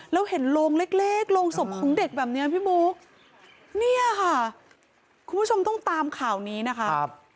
แล้วเห็นโรงเล็กเล็กโรงศพของเด็กแบบนี้พี่บุ๊กเนี่ยค่ะคุณผู้ชมต้องตามข่าวนี้นะคะ